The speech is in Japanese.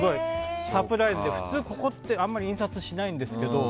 サプライズで普通ここってあんまり印刷しないんですけど